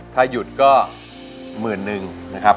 ถ้าหยุดก็๑๑๐๐๐นะครับ